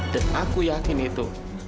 dan aku yakin itu